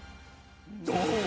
ドン！